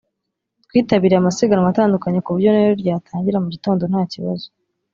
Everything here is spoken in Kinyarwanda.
twitabiriye amasiganwa atandukanye ku buryo n’iyo ryatangira mu gitondo nta kibazo